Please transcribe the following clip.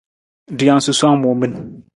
Rijang susowang muu min.